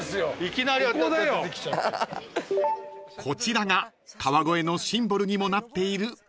［こちらが川越のシンボルにもなっている］